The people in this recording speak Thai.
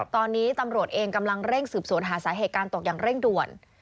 ตอนนี้ตำรวจเองกำลังเร่งสืบสวนหาสาเหตุการตกอย่างเร่งด่วน